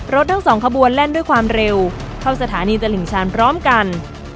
ทั้งสองขบวนแล่นด้วยความเร็วเข้าสถานีตลิ่งชันพร้อมกัน